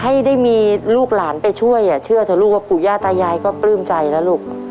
ให้ได้มีลูกหลานไปช่วยเชื่อเถอะลูกว่าปู่ย่าตายายก็ปลื้มใจนะลูก